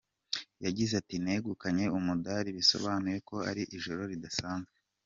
Yagize ati “Negukanye umudali bisobanuye ko ari ijoro ridasanzwe.